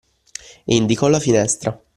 E indicò la finestra.